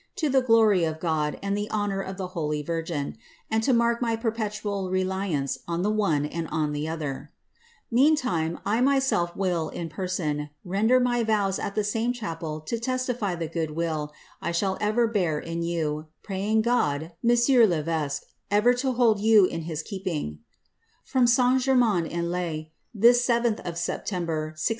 to tlie glory of God and the hooov the holy Virgin, and to mark my perpetual reliance on the one and on the o *^ Meantime I myself will, in person, render my vows at tlie said chap< testify the goo<l will I shall ever bear you, praying God, monsieur I'Evei ever to hold you in his keeping. From St. Germain en Laye, this 7th of September, 1644.